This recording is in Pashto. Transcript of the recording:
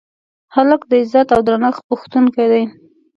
هلک د عزت او درنښت غوښتونکی دی.